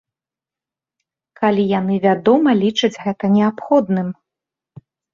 Калі яны, вядома, лічаць гэта неабходным.